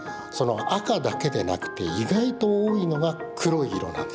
赤だけでなくて意外と多いのが黒い色なんです。